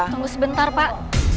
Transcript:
tunggu sebentar pak